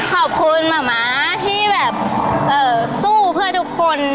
ขอบคุณแม่ที่แบบเอ่อสู้เพื่อทุกคน